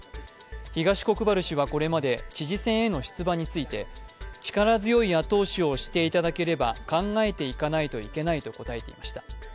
東国原氏はこれまで知事選への出馬について、力強い後押しをしていただければ考えていかないといけないと答えていました。